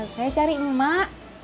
saya cari emak